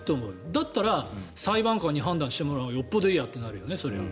だったら裁判官に判断してもらうほうがよっぽどいいやって思う。